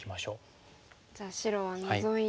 じゃあ白はノゾいて。